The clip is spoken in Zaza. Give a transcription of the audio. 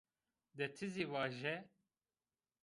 De ti zî vaje